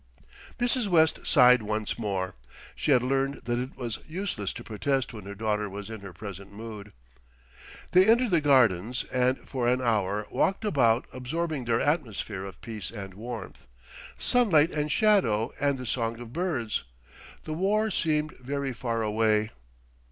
Mrs. West sighed once more; she had learned that it was useless to protest when her daughter was in her present mood. They entered the Gardens, and for an hour walked about absorbing their atmosphere of peace and warmth, sunlight and shadow and the song of birds; the war seemed very far away.